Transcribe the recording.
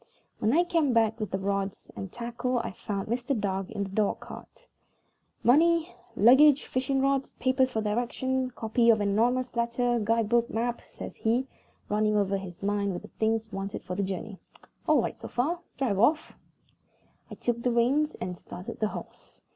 When I came back with the rods and tackle I found Mr. Dark in the dog cart. "Money, luggage, fishing rods, papers of directions, copy of anonymous letter, guide book, map," says he, running over in his mind the things wanted for the journey "all right so far. Drive off." I took the reins and started the horse.